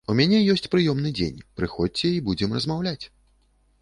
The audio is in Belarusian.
У мяне ёсць прыёмны дзень, прыходзьце і будзем размаўляць.